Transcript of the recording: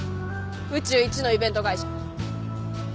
宇宙一のイベント会社。